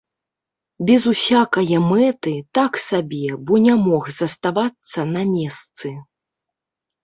Без усякае мэты, так сабе, бо не мог заставацца на месцы.